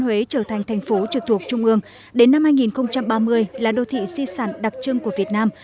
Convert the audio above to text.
huế trở thành thành phố trực thuộc trung ương đến năm hai nghìn ba mươi là đô thị si sản đặc trưng của việt nam